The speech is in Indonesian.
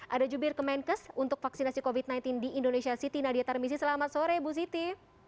ada jubir kemenkes untuk vaksinasi covid sembilan belas di indonesia siti nadia tarmizi selamat sore bu siti